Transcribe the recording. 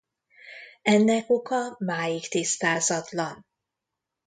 Ennek oka máig tisztázatlan.